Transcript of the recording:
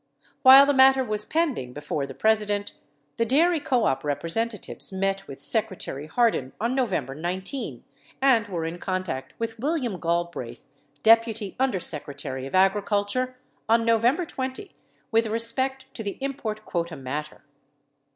While the matter was pending before the President, the dairy co op representatives met with Secretary Hardin on November 19, and w T ere in contact with William Galbraith, Deputy Under Secretary of Agriculture on November 20 with respect to the import quota mat ter.